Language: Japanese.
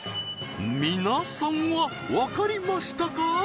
皆さんはわかりましたか？